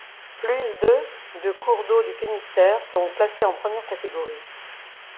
Plus de de cours d’eau du Finistère sont classés en première catégorie.